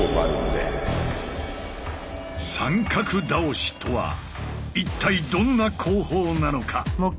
三角倒しとは一体どんな工法なのか？